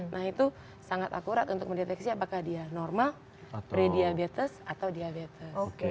nah itu sangat akurat untuk mendeteksi apakah dia normal pre diabetes atau diabetes